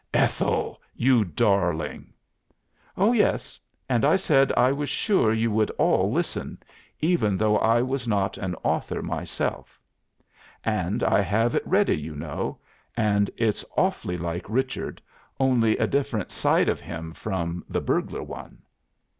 "Ethel! You darling!" "Oh, yes, and I said I was sure you would all listen, even though I was not an author myself. And I have it ready, you know, and it's awfully like Richard, only a different side of him from the burglar one."